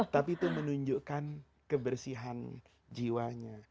tapi itu menunjukkan kebersihan jiwanya